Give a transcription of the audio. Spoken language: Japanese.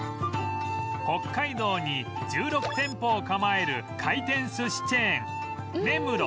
北海道に１６店舗を構える回転寿司チェーン